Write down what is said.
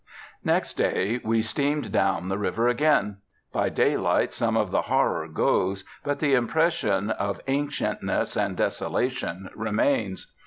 Next day we steamed down the river again. By daylight some of the horror goes, but the impression of ancientness and desolation remains.